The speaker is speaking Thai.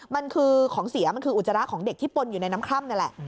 มันคือของเสียอุจจาระของเด็กที่ปลดอยู่ในน้ำคลั่มนี่ละ